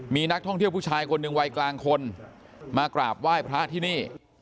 มีนักท่องเที่ยวผู้ชายคนหนึ่งวัยกลางคนมากราบไหว้พระที่นี่